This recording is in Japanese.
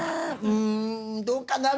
うーんどうかな？」